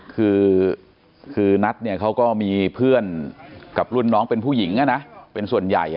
คือนัทเนี่ยเขาก็มีเพื่อนกับรุ่นน้องเป็นผู้หญิงเป็นส่วนใหญ่